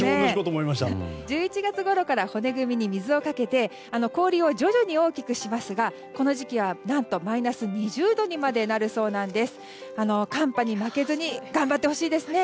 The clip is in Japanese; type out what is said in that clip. １１月ごろから骨組みに水をかけて氷を徐々に大きくしますがこの時期は何とマイナス２０度にまでなるそうなんです。